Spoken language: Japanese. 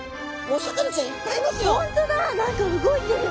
何か動いてる！